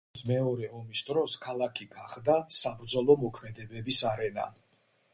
კონგოს მეორე ომის დროს ქალაქი გახდა საბრძოლო მოქმედებების არენა.